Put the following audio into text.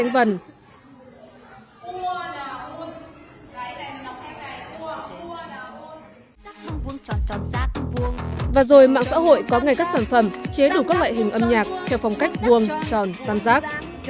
vừa rồi mạng xã hội có ngay các sản phẩm chế đủ các loại hình âm nhạc theo phong cách vuông tròn tam giác